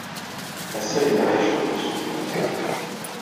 Ass-a, yenɣa-iyi cwiṭ usemmiḍ.